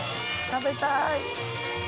食べたい！